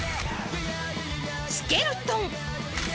［スケルトン］